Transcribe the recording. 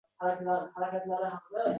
Unda oʻrnida allabir rutubatli sokinlik bor